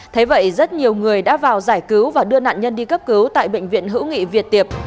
thế vậy rất nhiều người đã vào giải cứu và đưa nạn nhân đi cấp cứu tại bệnh viện hữu nghị việt tiệp